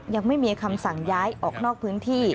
ยังไม่มีคำสั่งย้ายออกนอกพื้นที่